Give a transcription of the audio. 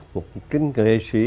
một kinh nghệ sĩ